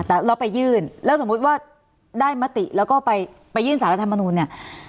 แต่เราไปยื่นแล้วสมมุติว่าได้มติแล้วก็ไปยื่นสารรัฐมนูลเนี่ย